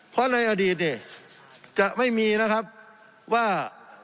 เพราะในอดีตเนี่ยจะไม่มีนะครับว่า